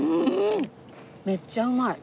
めっちゃうまい！